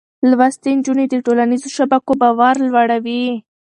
لوستې نجونې د ټولنيزو شبکو باور لوړوي.